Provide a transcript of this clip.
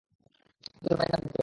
প্রচুর পানি পান করতে হবে।